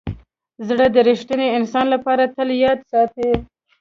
زړه د ریښتیني انسان لپاره تل یاد ساتي.